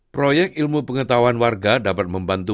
proyek ilmu pengetahuan warga dapat membantu